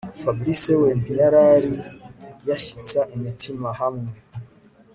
Fabric we ntiyarari yashyitsa imitima hamwe